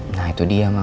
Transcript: nah itu dia ma